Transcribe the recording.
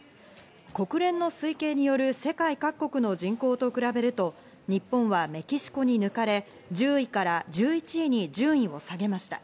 国連の推計による世界各国の人口と比べると、日本はメキシコに抜かれ、１０位から１１位に順位を下げました。